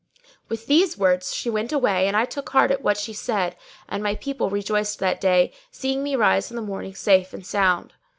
With these words she went away and I took heart at what she said and my people rejoiced that day, seeing me rise in the morning safe and sound.